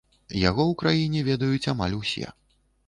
Яго ў краіне ведаюць амаль усе.